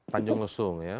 tanjung lusung ya